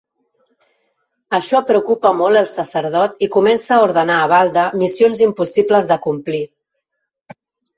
Això preocupa molt el sacerdot i comença a ordenar a Balda missions impossibles d'acomplir.